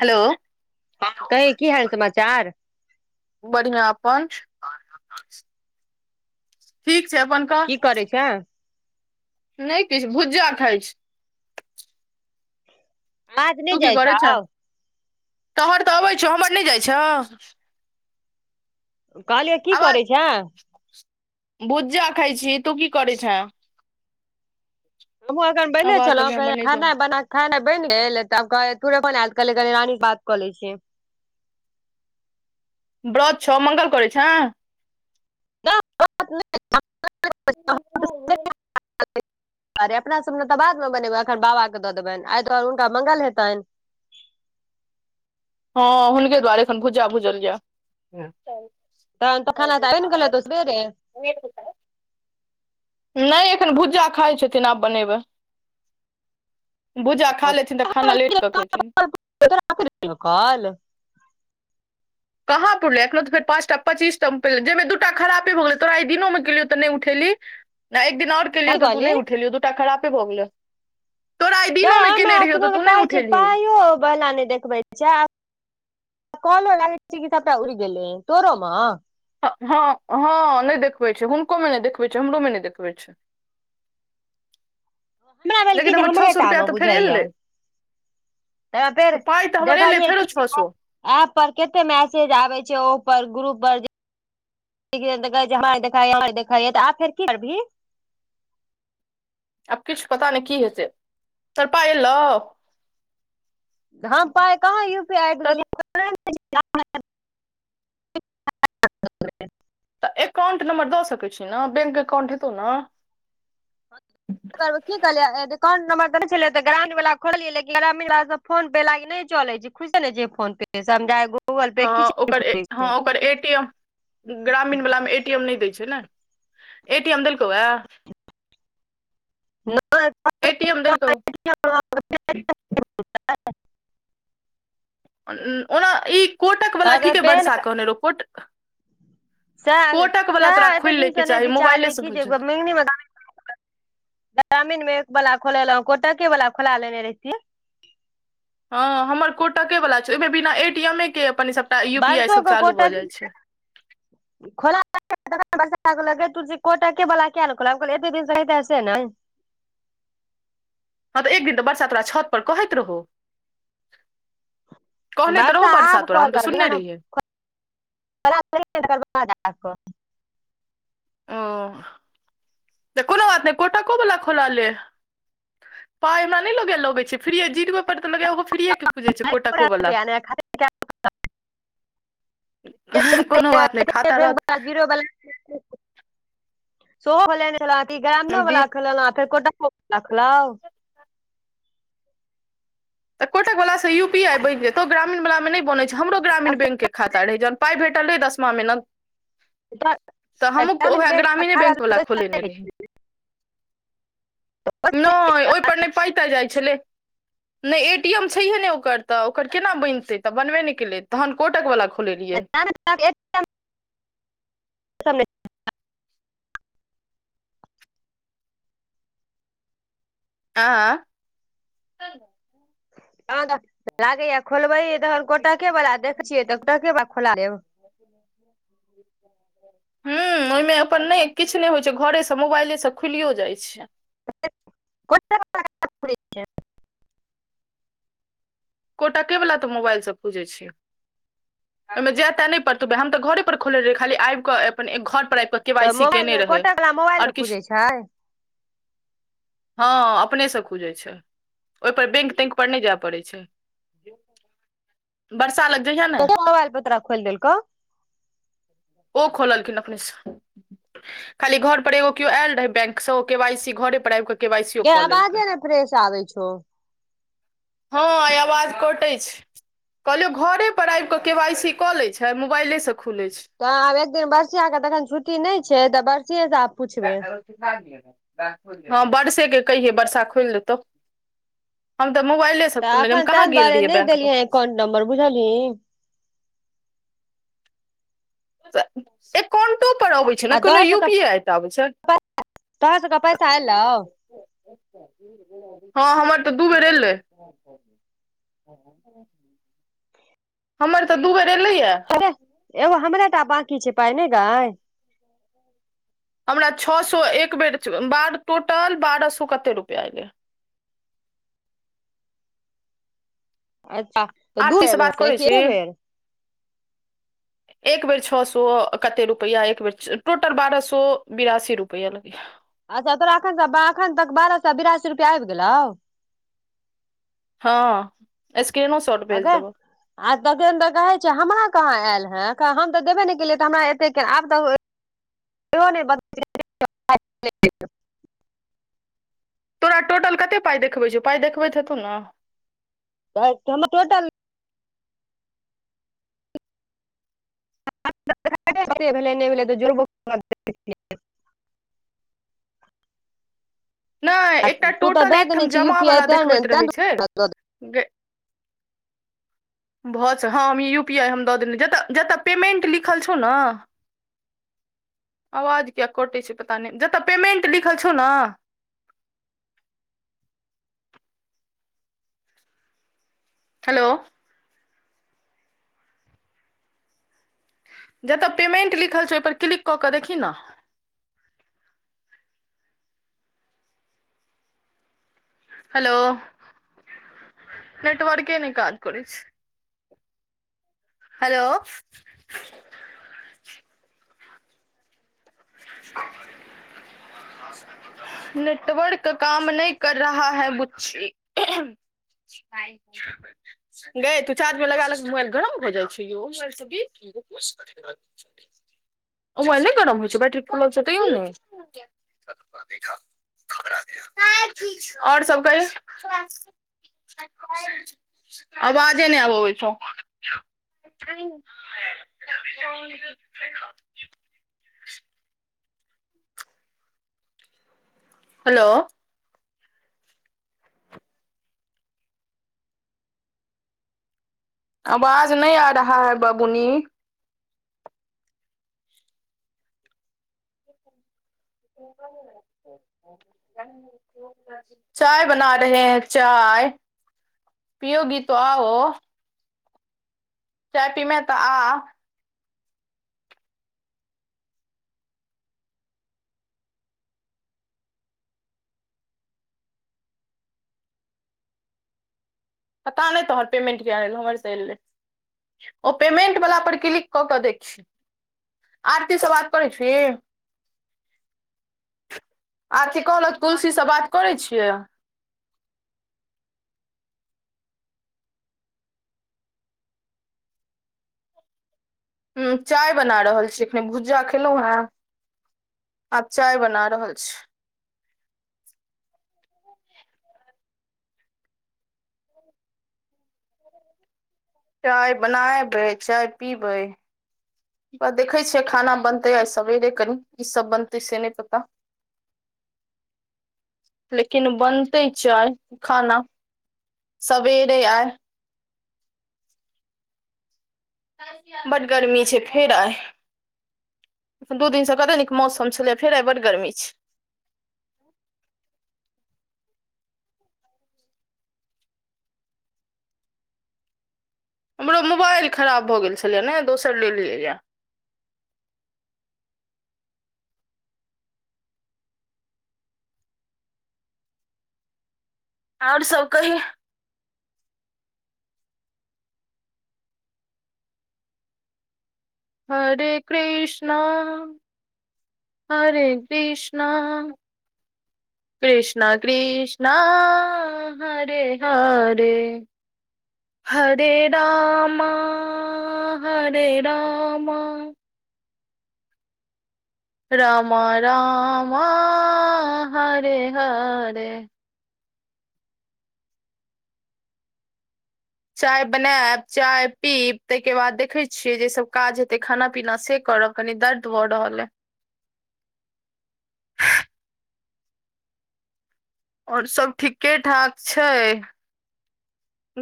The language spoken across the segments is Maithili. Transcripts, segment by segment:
हेलो हँ कहिंन की हाल समाचार बढ़िआ अपन ठीक छै अपन कहु की करै छाँ नहि किछु भुजा खाइ छै आज नहि तू की जाइ करै छौ छह तोहर तऽ अबै छौ हमर नहि जाइ छौ कहलियै की करै छाँ भुजा खइ छी तू की करै छाँ [unintelligible] बैले आवाज लगे हमर छललहुँ नहि जाय खाना बना खाना बनिगेल त तोरे बनाएल कहलिए रानी बात क लै छियै ब्रत छ मङंगल करै छाँ [unintelligible] अरे अपना सब ने तऽ बाद मे बनेबै अखन बाबा के दऽ देबनि आ दुआरे हनका मंगल हेतनि हँ हुनके दुआारेखन भूजा भूजल य तऽ तऽ खाना आबै ने गेल हेतो सबेरे ह क [inaudible] नहि एखन भुजा खाइत छथिन आब बनेबै भूजा खा लेथिन तऽ खाना लेट कऽ केथिन [unintelligible] कहाँ पुरलै एखन तऽ फेर पाँच टाचीस टा प जाहिमे दू टा खरापे भऽ गेलै तोराइ दिनोमे केलियौ तऽ नहि उठेलिहिं नहि एक दिन आऔर केेल हो कथी त तू कहली नहि उठेल तू टा खराबे भ गेलय त हमरा कि कहै छी उठेलही पायो बला नहि देखबै जा [inaudible] कॉलो लागै छै कि सभटा उड़ गेलै तोरो मे हँ हँ नहि देखबै छै हुनको मे नहि देखबैत छै हमरोमे नहि देखबै छै [unintelligible] हमराभेल की लेकिन जे हमर छओ हमरे सए टा रुपैआ मे तऽ फेर बुझैया एलै तऽ फेर पाइ तऽ हमर देख एलै लिए फेरो की छओ [unintelligible] सए एप पर कते मैसेज आबे छै ओ पर ग्रुप पर [unintelligible] आब किछु पता नहि की है से तोहर पाइ एलो हम पााय कहाँ यू पी आइ तऽ देलिए - [unintelligible] तऽ एककाउंट नम्बर द सक छी ने बैंक अकाउंट हेतौ ने ह [inaudible] एकाउंट नंबरने ग्रांट वला खोलिय लेकिन ग्रामीण फोन पे लागी नहि चले छै खुश ने फोन पे [inaudible] हँ किछु नहि ओकर खुजै छै हँ ओकर ए टी एम ग्रामीण वला मे एटी एम नहि दै छै ने ए टी एम देलकौ या एटी एम देलकौ [inaudible] ओना ई कोटकवला कहलकै ठीक अइ पेन वर्षा कहने रहौ कोट सएह सएह एते खोलि लैके दिनसँ नहि चाही मोबाइले बिचारीलिए से कि जे बुझ म ग्रामीण में एक वाला खोलेलं कोट वाला खोला लेने रहेतीय हँ हमर कोटके वला छै ओहिमे बिना ए टी एमे के अपन सभटा यू पी आई सभ चालू भऽ कोटक जाइत छै [unintelligible] [inaudible] गे तुलसी कोट के वला किया नहि खोललां हम कहलिए एतेक दिन कहितां सेह नहि हँ तऽ एक दिन तऽ बरसा तोरा छत पर कहैत रहौ कहने तऽ रहू वर्षा बरसा आब तोरा हम तऽ सुनने रहियै ब तकर बाद आ कऽ [inaudible] ओ त कोनो बात नहि कोटा को बला खोलाले पााय हमरा नहि लगे लगे छै फि्रय जीरो तऽ लगो फिरए के खुजेय छै कोटक वाला रुपैया ने खाते हँ ह कोनो बात नहि खाता बैंक रहत [unintelligible] ग्रामीण बी वला खेलैनओं ल फेर कोटाकेँ वका खोलाउ तऽ कैटक वला सा यूपी आई बनि जेतौ ग्रामीण वला मे नए बनाई छै हमरो ग्रामीण बैंक के खाता आं रे जन पाइ भेटल रहै दशमा महिना [inaudible] तऽ हमहूँ उएह ग्रामीणे बैंक वला खोलेने रही न ओहिपर नहि पाइ ताई जाइ छलै नहि ए टी एम छैहे ने ओकर तऽ ओकर केना बनतै तऽ बनबे नहि केलै तहन कोटक वला खोलैलिय त एक अहाँ ह तऽ लागेय खोलबे तहन कटके बला देख छियै तऽ कोटक वला खोला लेब [inaudible] [inaudible] हूँ ओहिमे अपन नहि किछु नहि होइ छै घरेसँ मोबाइलेसँ खुलियो जाइ छै कोटक [unintelligible] कोटके वला तऽ मोबाइल सँ खुजै छियै ओहिमे जे ते नहि पड़तौबै हम तऽ घरे पर खोलने रहियै खाली आबि कऽ अपन एक घर पर आबि कऽ के वाइ तऽ सी मोबाइल केने रहै कोटक वला मोबाइल मे आओर किछु खुजै छै हँ अपनेसँ खुजै छै ओहिपर बैंक तैंक पर नहि जे पड़ै छै बर्षा लग जैहे [unintelligible] तऽ के मोबाइल पर तोरा खोल देेलकौ ओ खोललखिन अपने सँ खाली घर पर एगो केओ आयल रहै बैंक सँ ओ के वाई सी घरे पर आबि कऽ के वाई सी ओ गे कऽ आवाज लेलकै ने फ्रेश आबइ छो हँ आवाज कटैत छै कहलियौ घरे पर आबि कऽ केँ वाइ सी कऽ लै छै मोबाइलेसँ खुलैत छै तऽ आब एक दिन बर्षिया के तऽ अखन छुट्टी नहि छै तऽ बर्षियेसँ आब पुछबै हँ वर्षेके कहियै वर्षा खोलि देतौ हम तऽ मोबाइले सऽ तऽ एखन तेऽ दुआरे नहि देलियै एकाउंट नम्बर बुझलहि अकाउंट पर अबे छै ने कोनो तोहर यू सबके पी आई एकटा आबै छै तोहर सबके पैसा एलौ हँ हमर तऽ दू बेर एलै हमर तऽ दू बेर एलै या एगो हमरा तऽ बकी छै पाय नई गय हमरा छौ सौ एक बेर बाद टोटल बारह सौ कते रुपया एलै अच्छा दू आरती सँ एलौ बात से कि खरैछीही एके बेर एक बेर छओ सए कते रुपआ एक टोटल बारह सए बिरासी रुपआ लगैय अच्छा तोरा एखन एखन तक बारह सौ बिरासी रुपया आबि गेलौ हँ [inaudible] स्कैनो स ऐं गै आ तखन तऽ कहै छै हमरा कहाँ आयल हें हम तऽ देबे ने केलियै तऽ हमरा एते के आब तऽ उहो नै बद ठीक [unintelligible] तोरा टोटल कते पाइ देखबै छौ पाइ देखबैत हेतौ नऽ [unintelligible] [unintelligible] भेलै नहि भेलै तऽ जोर [unintelligible] नहि आ एकटा तू तऽ टोटल दऽ देने एकठाम छी यू पी आई जमावला तें ने देखबैत रहै तें छै [inaudible] भऽ छै हँ हम ई यू पी आइ हम दऽ देलौ जतऽ जतऽ पेमेंट लिखल छौ न आवाज किया कटै छै पता नै जतऽ पेमेंट लिखल छौ नऽ हेलो जत पेमेंट लिखल छौ ओहिपर क्लिक कऽ कऽ देखही नऽ हेलो [unintelligible] नेटवर्क नहि काज करय छै हेलो ख [inaudible] नेटवर्क काम नै कर रहा है बुच्ची क [inaudible] गे तू चार्ज मे लगा लक मोबाइल गरम भए जाइ छै ओ मोबाइल नय गरम होइ छौ बैटरी फुलल छै तैयो नै [unintelligible] और सब कहियो अबाजे नै आब अबै छौ अछ [inaudible] हेलो आवाज नहि आ रहा है बबुनी [inaudible] [inaudible] चाय बना रहे है चाय पियोगी तो आओ चाय पीमे तऽ आ पता नै तोहर पेमेंट किया नै एलौ हमर तऽ एलै ओ पेमेंट वला पर क्लिक कऽ कऽ देखही आरती सँ बात करै छी आरती कहलक तुलसी सँ बात करै छियै हूँ चाय बना रहल छी एखन भुजा खेलहु है आब चाय बना रहल छी चाय बनायबै चाय पीबै देखै छियै खाना बनतै आ सवेरे कनि ई की सब बनतै से नहि पता लेकिन बनतै चाय खाना सवेरे आइ बड्ड गर्मी छै फेर आइ अखन दू दिन से कते नीक मौसम छलै फेर एहि बड गर्मी छै हमरो मोबाइल खराब भऽ गेल छलैये ने दोसर लेलियैयए आओर सब कही हरे कृष्णा हरे कृष्णा कृष्णा कृष्णा हरे हरे हरे रामा हरे रामा रामा रामा हरे हरे चाय बनायब, चाय पीब, ताहिके बाद देखै छियै। जे सभ काज हेतै, खाना पीना से करब। कनी दर्द भा रहल एऽ और सभ ठीके ठाक छै।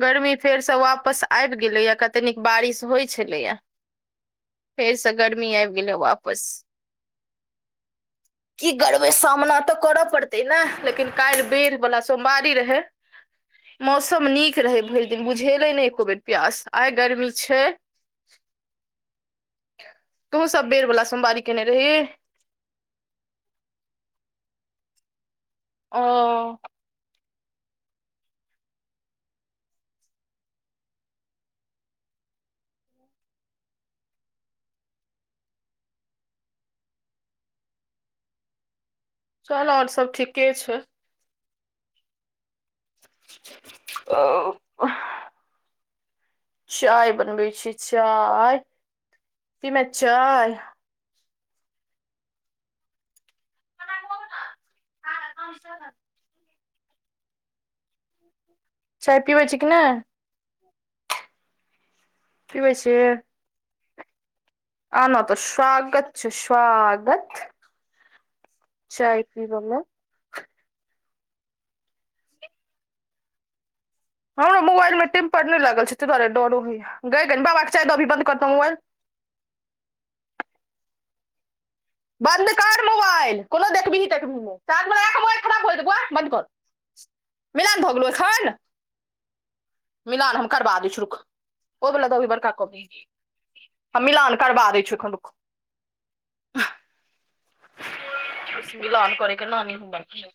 गर्मी फेरसँ वापस आबि गेलै, कते नीक बारिश होइत छलै। फेरसँ गर्मी आबि गेलै वापस। की करबै, सामना तऽ करऽ पड़ते ने। लेकिन काल्हि बेर बला सोमवारी रहै। मौसम नीक रहै भैर दिन बुझेले ने एको बेर प्यास आइ गर्मी छै तू हु सब बेर बला सोमवारी केने रहि आ चल औ सब ठीकेँ छै [unintelligible] चाय बनबै छी चाय पील लऽ चाय [unintelligible] [inaudible] चाय पिबै छी कि न? पीबै छी। आ ने तऽ स्वागत छौ, स्वागत। चाय पिबऽ लऽ। हमरो मोबाइलमे टेम्पर नहि लागल छै, तेहि दुआरे डरो होइ छै गे। कनी बाबाके चाय दऽ, अभी मोबाइल बन्द करैत छी। बन्द कर मोबाइल कोनो देखबही तखबहि नऽ चार्ज मऽ राख मोबाइल खराब हो जेते बऊआ बन्द कर मिलान भऽ गेलो एखन। मिलान हम करा दे छियो रुक ओ वला दऽ आबहि बड़का कप हम मिलान करबा दै छियौ एखन, रुक। मिलान करेके नानी होमवर्क दै।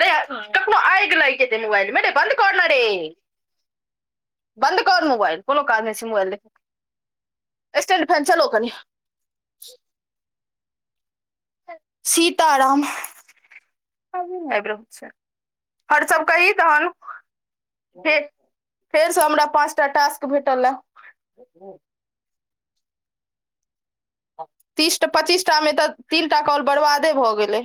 रे, कखनो आगि लागि जेतै मोबाइलमे, रे बन्द करऽ ने। बन्द करऽ मोबाइल, कोनो काज नहि छै मोबाइल देखके। स्टेन फैन चलाओं कनिया सीता राम। और सभ कही तहन? फेरसँ हमरा पाँचटा टास्क भेटल यै। तीस टामे पच्चीसटा मे तऽ तीनटा कॉल बरबादे भऽ गेलै।